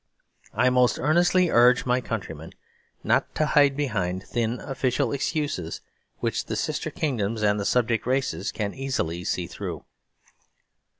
I most earnestly urge my countrymen not to hide behind thin official excuses, which the sister kingdoms and the subject races can easily see through.